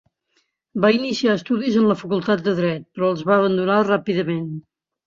Va iniciar estudis en la Facultat de Dret, però els va abandonar ràpidament.